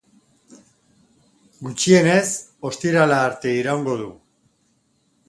Gutxienez, ostirala arte iraungo du.